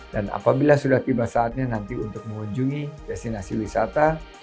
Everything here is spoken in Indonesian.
dan apabila sudah tiba saatnya nanti untuk mengunjungi destinasi wisata